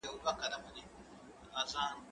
قلم د زده کوونکي له خوا استعمالوم کيږي!.